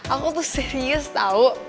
aku tuh serius tau